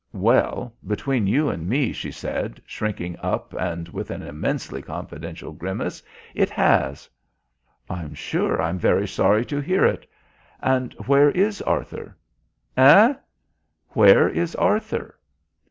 "Well, between you and me," she said, shrinking up and with an immensely confidential grimace, "it has." "I'm sure I'm very sorry to hear it. And where is Arthur?" "Eh?" "Where is Arthur?"